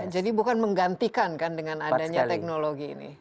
jadi bukan menggantikan kan dengan adanya teknologi ini